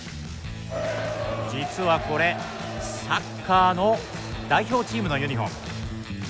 実はこれ、サッカーの代表チームのユニフォーム。